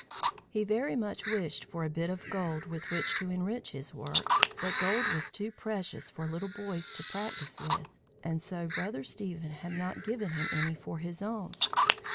He very much wished for a bit of gold with which to enrich his work, but gold was too precious for little boys to practise with, and so Brother Stephen had not given him any for his own.